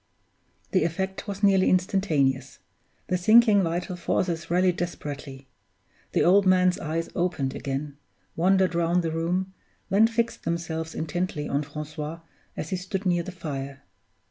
The effect was nearly instantaneous; the sinking vital forces rallied desperately. The old man's eyes opened again, wandered round the room, then fixed themselves intently on Francois as he stood near the fire.